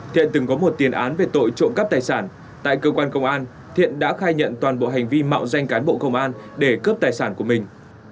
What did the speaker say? thiện từng có một tiền án về tội trộm cắp tài sản tại cơ quan công an thiện đã khai nhận toàn bộ hành vi mạo danh cán bộ công an để cướp tài sản của mình